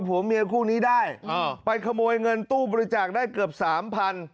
ผัวเมียคู่นี้ได้ไปขโมยเงินตู้บริจาคได้เกือบสามพัน